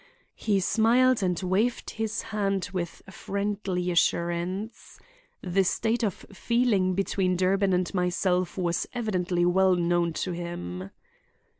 He smiled and waved his hand with friendly assurance. The state of feeling between Durbin and myself was evidently well known to him.